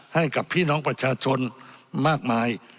ให้กับพี่น้องประชาชนมากมาย